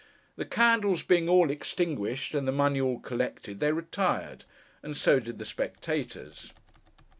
The candles being all extinguished, and the money all collected, they retired, and so did the spectators.